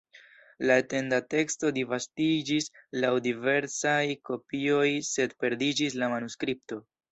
La etenda teksto disvastiĝis laŭ diversaj kopioj, sed perdiĝis la manuskripto.